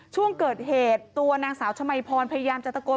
ช่วงเกิดเหตุตัวนางสาวชมัยพรพยายามจะตะโกน